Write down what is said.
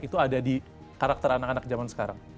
itu ada di karakter anak anak zaman sekarang